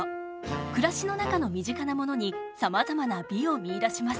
暮らしの中の身近なものにさまざまな美を見いだします。